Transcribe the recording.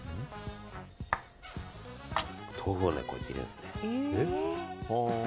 豆腐を入れるんですね。